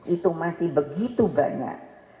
itu masih begitu banyak